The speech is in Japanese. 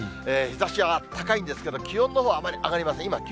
日ざしは高いんですけど、気温のほうはあまり上がりません。